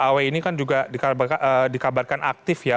aw ini kan juga dikabarkan aktif ya